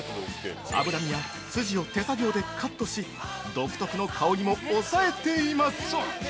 脂身やスジを手作業でカットし独特の香りも抑えています。